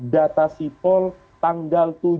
data sipol tanggal